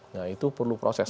nah itu perlu proses